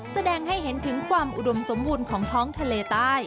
แสดงให้เห็นถึงความอุดมสมบูรณ์ของท้องทะเลใต้